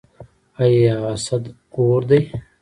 آیا حسد اور دی؟